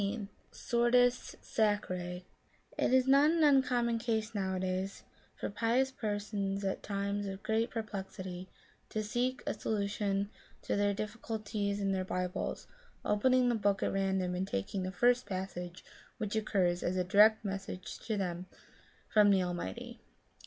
2SS SORTES SACRiE It is not an uncommon case, nowadays, for pious persons at times of great perplexity to seek a solu tion to their difficulties in their Bibles, opening the book at random and taking the first passage which occurs as a direct message to them from the Almighty.